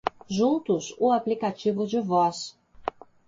Juntos, o aplicativo de voz